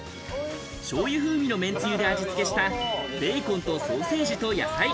しょうゆ風味の麺つゆで味付けした、ベーコンとソーセージと野菜。